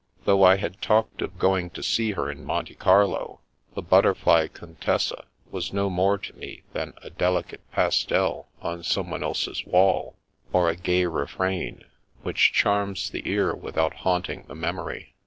Though I had talked of going to see her in Monte Carlo, the butterfly Contessa was no more to me than a delicate pastel on someone else's wall, or a gay refrain, which charms the ear without haunting the memory.